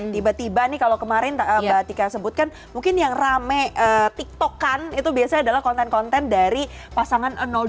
tiba tiba nih kalau kemarin mbak tika sebutkan mungkin yang rame tiktokan itu biasanya adalah konten konten dari pasangan dua